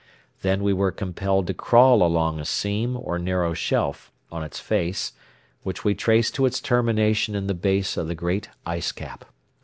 Then we were compelled to crawl along a seam or narrow shelf, on its face, which we traced to its termination in the base of the great ice cap.